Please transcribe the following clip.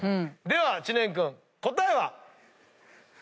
では知念君答えは？